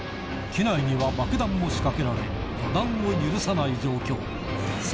機内には爆弾も仕掛けられ予断を許さない状況